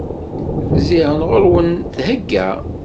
Ziɣen ɣur-wen thegga.